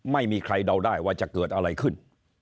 ไม่มีใครเดาได้ว่าจะเกิดอะไรขึ้น